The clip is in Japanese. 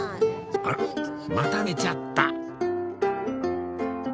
あらまた寝ちゃった